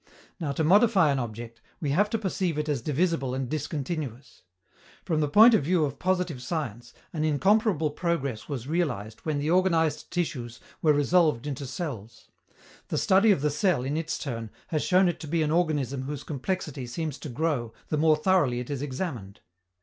Now, to modify an object, we have to perceive it as divisible and discontinuous. From the point of view of positive science, an incomparable progress was realized when the organized tissues were resolved into cells. The study of the cell, in its turn, has shown it to be an organism whose complexity seems to grow, the more thoroughly it is examined.